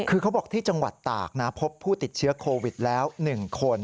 คือเขาบอกที่จังหวัดตากนะพบผู้ติดเชื้อโควิดแล้ว๑คน